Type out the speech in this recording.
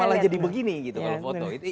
malah jadi begini gitu kalau foto itu